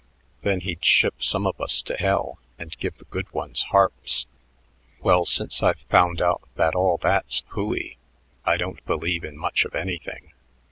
Then he'd ship some of us to hell and give the good ones harps. Well, since I've found out that all that's hooey I don't believe in much of anything."